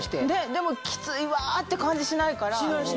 でもきついわって感じしないから。